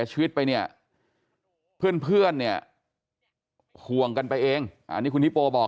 ห่วงกันไปเองอันนี้คุณฮิโปะบอก